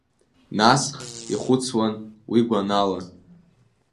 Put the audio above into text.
Насх, ихәыцуан, уи гәанала…